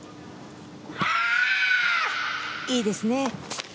いいですね。